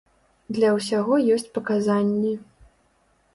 Для ўсяго ёсць паказанні.